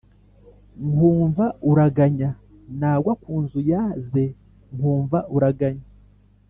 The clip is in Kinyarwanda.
nkumva uraganya nagwa ku nzu yaze nkumva uraganya,